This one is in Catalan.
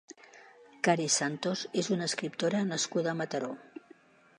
Care Santos és una escriptora nascuda a Mataró.